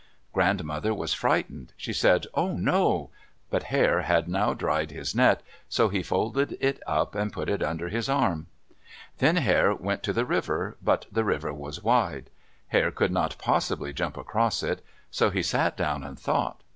Grandmother was frightened. She said, "Oh, no!" But Hare had now dried his net, so he folded it up and put it under his arm. Then Hare went to the river, but the river was wide. Hare could not possibly jump across, so he sat down and thought.